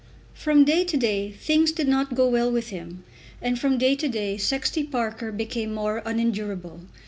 From day to day things did not go well with him, and from day to day Sexty Parker became more unendurable.